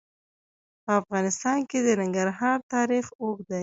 په افغانستان کې د ننګرهار تاریخ اوږد دی.